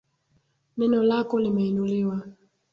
Neno lako limeinuliwa.